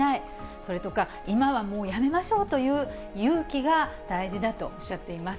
それとか、今はもうやめましょうという勇気が大事だとおっしゃっています。